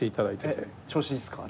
調子いいっすか？